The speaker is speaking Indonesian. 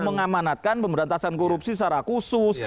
mengamanatkan pemberantasan korupsi secara khusus